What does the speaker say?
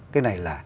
cái này là